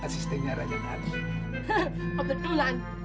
cepetan cepetan buat lo